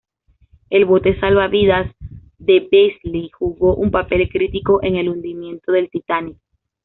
El bote salvavidas de Beasley jugó un papel crítico en el hundimiento del Titanic.